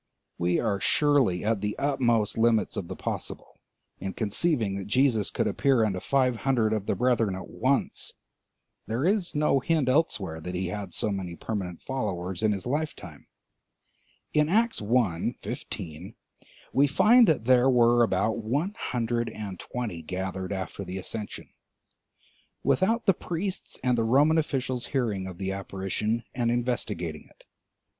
We are surely at the utmost limits of the possible in conceiving that Jesus could appear unto five hundred of the brethren at once (there is no hint elsewhere that he had so many permanent followers in his lifetime; in Acts i., 15, we find that there were about one hundred and twenty gathered after the ascension), without the priests and the Roman officials hearing of the apparition and investigating it.